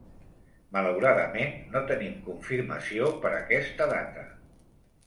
Malauradament, no tenim confirmació per aquesta data.